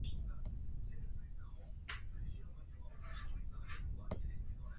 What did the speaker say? Gom i wuel u bèbèn bisu u teka a mpën gom I mësaga dhi mgbagban wu mefom.